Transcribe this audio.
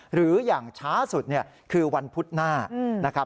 หรืออย่างช้าสุดคือวันพุธหน้า